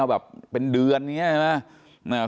เอาแบบเป็นเดือนอย่างนี้